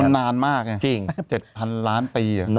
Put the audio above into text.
มันนานมากเนี่ย๗๐๐๐ล้านปี